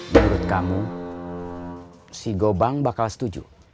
menurut kamu si gobang bakal setuju